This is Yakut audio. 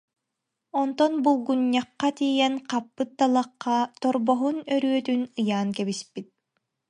Онтон Булгунньахха тиийэн хаппыт талахха торбоһун өрүөтүн ыйаан кэбиспит